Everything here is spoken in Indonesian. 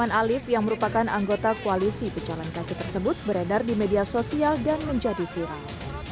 pertemuan alif yang merupakan anggota koalisi pejalan kaki tersebut beredar di media sosial dan menjadi viral